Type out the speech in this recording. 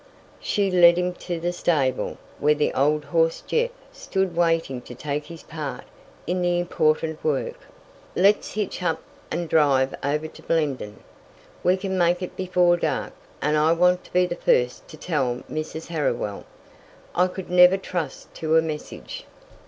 She led him to the stable, where the old horse Jeff stood waiting to take his part in the important work. "Let's hitch up and drive over to Blenden. We can make it before dark, and I want to be the first to tell Mrs. Harriwell. I could never trust to a message."